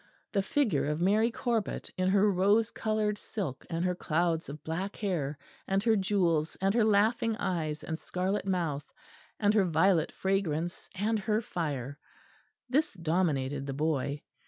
The figure of Mary Corbet in her rose coloured silk and her clouds of black hair, and her jewels and her laughing eyes and scarlet mouth, and her violet fragrance and her fire this dominated the boy.